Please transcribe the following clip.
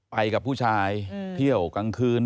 ไปกับผู้ชายเที่ยวกลางคืน